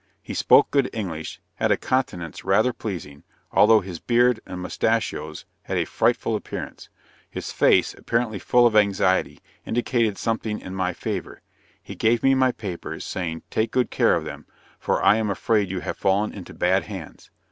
He spoke good English, had a countenance rather pleasing, although his beard and mustachios had a frightful appearance his face, apparently full of anxiety, indicated something in my favor; he gave me my papers, saying "take good care of them, for I am afraid you have fallen into bad hands."